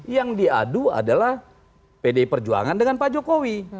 yang diadu adalah pdi perjuangan dengan pak jokowi